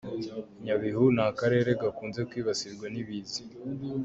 Nyabihu ni akarere gakunze kwibasirwa n’ibiza.